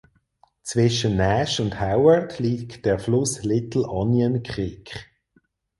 Zwischen Nash und Howard liegt der Fluss Little Onion Creek.